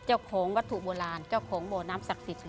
เจ้าของวัตถุโบราณเจ้าของหมวนอำสักษิติเลย